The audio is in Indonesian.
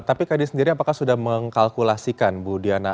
tapi kadin sendiri apakah sudah mengkalkulasikan bu diana